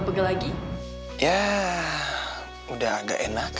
tau gitu ah